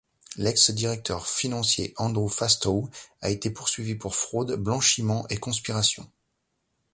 L'ex directeur financier Andrew Fastow a été poursuivi pour fraude, blanchiment et conspiration.